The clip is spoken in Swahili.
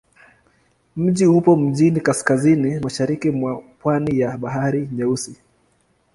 Mji upo mjini kaskazini-mashariki mwa pwani ya Bahari Nyeusi.